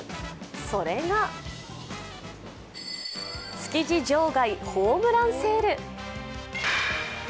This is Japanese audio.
それが築地場外ホームランセール。